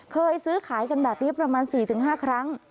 เคยซื้อขายกันแบบนี้ประมาณ๔๕ครั้ง